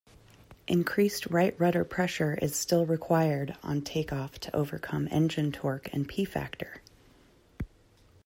Increased right-rudder pressure is still required on takeoff to overcome engine torque and P-factor.